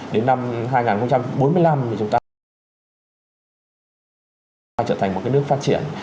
đến năm hai nghìn bốn mươi năm thì chúng ta trở thành một nước phát triển